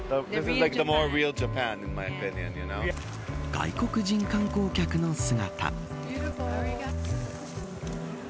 外国人観光客の姿。